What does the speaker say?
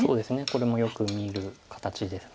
これもよく見る形です。